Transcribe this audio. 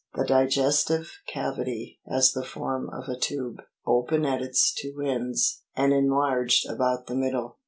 The diges tive cavity has the form of a tube, open at its two ends ana enlarged about the middle.